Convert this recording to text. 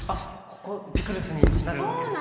ここピクルスになるわけですね。